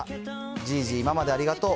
じいじい、今までありがとう。